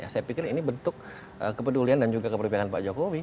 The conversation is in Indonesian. saya pikir ini bentuk kepedulian dan juga keperpihakan pak jokowi